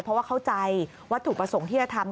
เพราะว่าเข้าใจวัตถุประสงค์ที่จะทำ